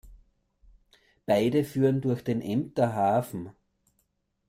Beide führen durch den Emder Hafen.